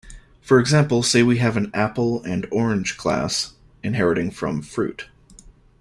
For example, say we have an Apple and Orange class inheriting from Fruit.